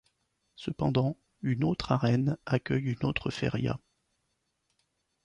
Cependant, une autre arène accueille une autre feria.